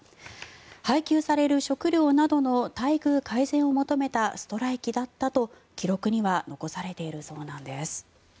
配給される食糧などの待遇改善を求めたストライキだったと記録には残されているそうです。